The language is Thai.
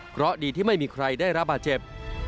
เพราะดีที่ไม่มีใครได้รับบาดเจ็บ